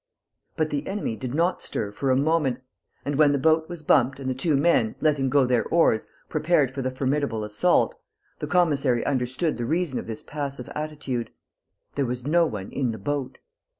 But the enemy did not stir for a moment; and, when the boat was bumped and the two men, letting go their oars, prepared for the formidable assault, the commissary understood the reason of this passive attitude: there was no one in the boat.